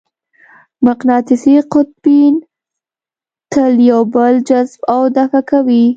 مقناطیسي قطبین تل یو بل جذب او دفع کوي.